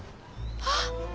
あっ。